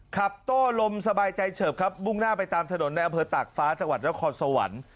ขับโต้ลมสบายใจเฉิบครับวุ่งหน้าไปตามถนนแนวเผลอตากฟ้าจังหวัดและคอนสวรรค์